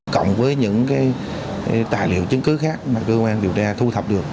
cộng với những tài liệu chứng cứ khác mà cơ quan điều tra thu thập được